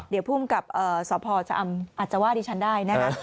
เดี๋ยวภูมิกับสพชะอำอาจจะว่าดิฉันได้นะคะ